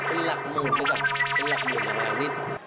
เป็นหลักหมื่นด้วยกันไปหลักหนึ่งอีกหนึ่ง